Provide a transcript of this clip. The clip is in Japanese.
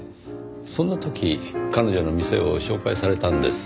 そんな時彼女の店を紹介されたんです。